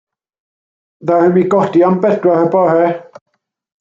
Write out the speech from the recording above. Ddaru mi godi am bedwar y bore.